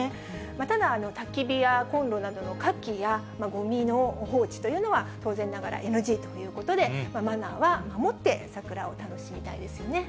ただ、たき火やコンロなどの火気や、ごみの放置というのは、当然ながら、ＮＧということで、マナーは守って、桜を楽しみたいですよね。